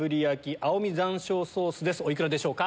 お幾らでしょうか？